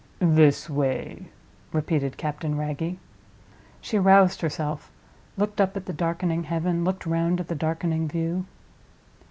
"This way," repeated Captain Wragge. She roused herself; looked up at the darkening heaven, looked round at the darkening view.